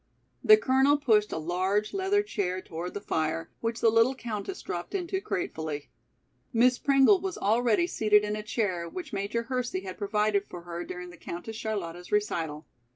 The Colonel pushed a large leather chair toward the fire, which the little countess dropped into gratefully. Miss Pringle was already seated in a chair which Major Hersey had provided for her during the Countess Charlotta's recital.